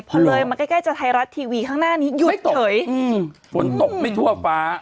พอเลยมาใกล้ใกล้จะไทยรัฐทีวีข้างหน้านี้อยู่เฉยอืมฝนตกไม่ทั่วฟ้า